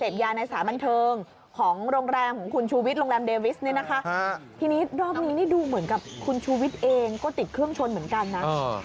พี่นิดรอบนี้ดูเหมือนกับคุณชูวิทย์เองก็ติดเครื่องชนเหมือนกันนะ